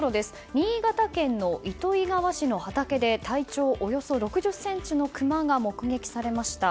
新潟県の糸魚川市の畑で体長およそ６０ｃｍのクマが目撃されました。